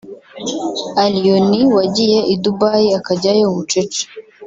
Allioni wagiye i Dubai akajyayo bucece